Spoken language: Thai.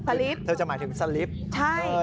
ลิปเธอจะหมายถึงสลิปใช่